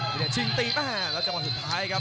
อภิเดชน์ชิงตีมาแล้วจะมาสุดท้ายครับ